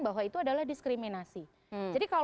bahwa itu adalah diskriminasi